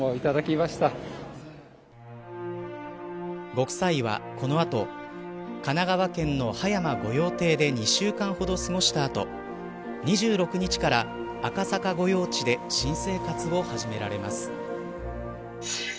ご夫妻は、この後神奈川県の葉山御用邸で２週間ほど過ごしたあと２６日から赤坂御用地で新生活を始められます。